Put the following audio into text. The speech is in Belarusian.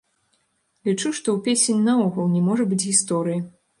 Лічу, што ў песень наогул не можа быць гісторыі.